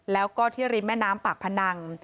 แล้วก็ที่ริมแม่น้ำปากพนัง